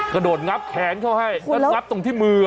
กระโดดงับแขนเขาให้แล้วงับตรงที่มือ